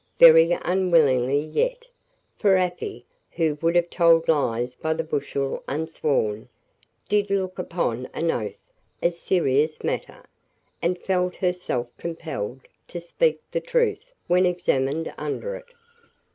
Very unwillingly yet; for Afy, who would have told lies by the bushel unsworn, did look upon an oath as a serious matter, and felt herself compelled to speak the truth when examined under it.